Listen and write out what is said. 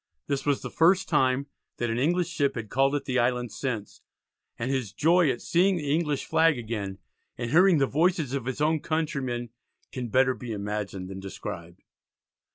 This was the first time that an English ship had called at the island since, and his joy at seeing the English flag again and hearing the voices of his own countryman can better be imagined than described.